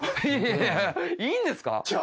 いいんですか？